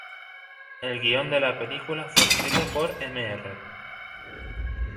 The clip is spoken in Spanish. El guion de la película fue escrito por Mr.